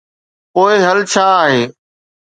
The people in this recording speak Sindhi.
پوء حل ڇا آهي؟